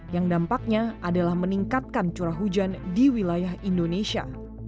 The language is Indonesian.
yang dampaknya adalah meningkatkan curah hujan di wilayah indonesia